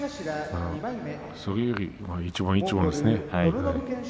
それより一番一番ですね。